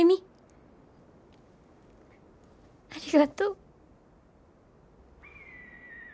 ありがとう。